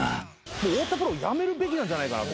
もう太田プロ辞めるべきなんじゃないかなと。